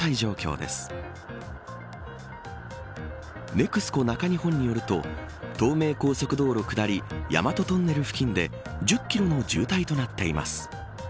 ＮＥＸＣＯ中日本によると東名高速道路下り大和トンネル付近で１０キロの渋滞となっています。